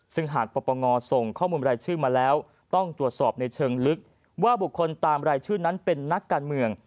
ซึ่งหากปปงส่งข้อมูลรายชื่อมาแล้วต้องตรวจสอบในเชิงลึกว่าบุคคลตามรายชื่อนั้นเป็นนักการเมือง